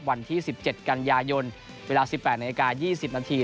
วันที่๑๗กันยายนเวลา๑๘นาฬิกา๒๐นาที